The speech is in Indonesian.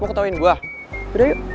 lo ketauin gua sucht